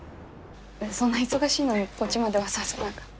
そんな忙しいのにこっちまでわざわざ何か。